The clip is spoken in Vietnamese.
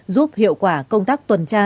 giúp hiệu quả công tác tuần tra